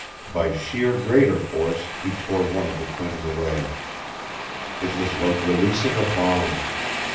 By sheer greater force he tore one of the twins away. It was like releasing a bomb.